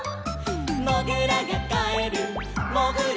「もぐらがかえるもぐらトンネル」